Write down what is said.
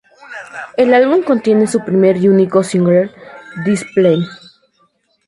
El álbum contiene su primer y único single "This Plane".